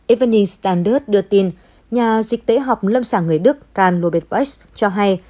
evening standard đưa tin nhà dịch tễ học lâm sản người đức karl lohbeth weiss cho hay